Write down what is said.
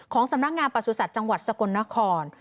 สำนักงานประสุทธิ์จังหวัดสกลนคร